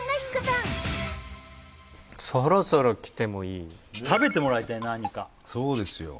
番そろそろきてもいい食べてもらいたい何かそうですよ